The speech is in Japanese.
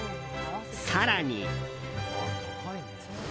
更に。